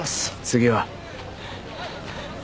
次は？